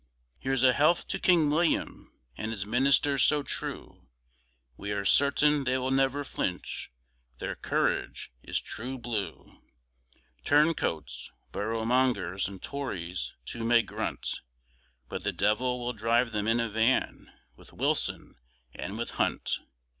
Here's a health to King William and his Ministers so true, We are certain they will never flinch, their courage is True Blue; Turn coats, Boroughmongers, and Tories too may grunt, But the devil will drive them in a van, with Wilson and with Hunt.